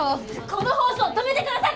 この放送止めてください